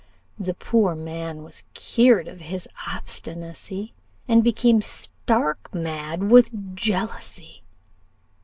The poor man was cured of his obstinacy, and became stark mad with jealousy.